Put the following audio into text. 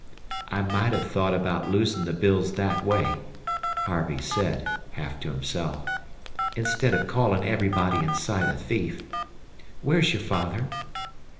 "I might have thought about losing the bills that way," Harvey said, half to himself, "instead of calling everybody in sight a thief. Where's your father?"